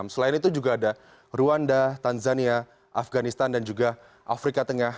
selain itu juga ada rwanda tanzania afganistan dan juga afrika tengah